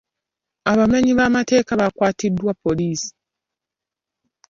Abamenyi b'amateeka bakwatiddwa poliisi.